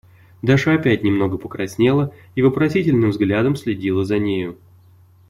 Даша опять немного покраснела и вопросительным взглядом следила за нею.